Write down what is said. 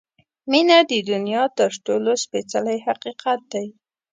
• مینه د دنیا تر ټولو سپېڅلی حقیقت دی.